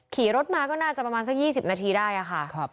ขี่รถมาก็น่าจะประมาณสัก๒๐นาทีได้ค่ะ